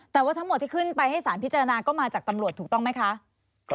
แต่ว่าทั้งหมดที่ขึ้นไปให้สารพิจารณาก็มาจากตำรวจถูกต้องไหมคะ